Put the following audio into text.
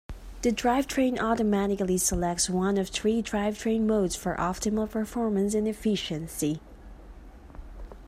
The drivetrain automatically selects one of three drivetrain modes for optimal performance and efficiency.